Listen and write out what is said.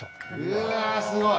うわすごい。